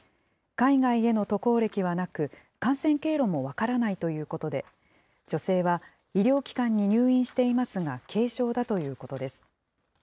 海外への渡航歴はなく、感染経路も分からないということで、女性は医療機関に入院していますが、軽症だということです。